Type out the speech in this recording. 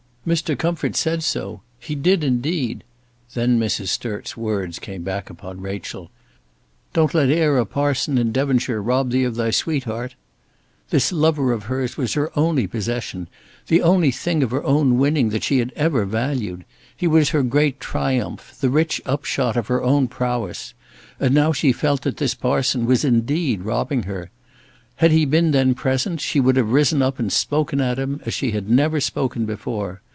"Mr. Comfort said so; he did indeed." Then Mrs. Sturt's words came back upon Rachel. "Don't let ere a parson in Devonshire rob thee of thy sweetheart." This lover of hers was her only possession, the only thing of her own winning that she had ever valued. He was her great triumph, the rich upshot of her own prowess, and now she felt that this parson was indeed robbing her. Had he been then present, she would have risen up and spoken at him, as she had never spoken before.